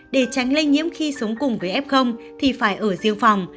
để tránh lây nhiễm khi sống cùng với f thì phải ở riêng phòng